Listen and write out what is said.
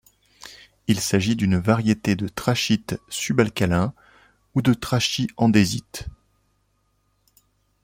Il s'agit d'une variété de trachyte sub-alcalin ou de trachy-andésite.